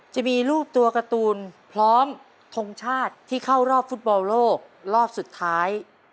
จะมีรูปตัวการ์ตูนพร้อมทงชาติที่เข้ารอบฟุตบอลโลกรอบสุดท้าย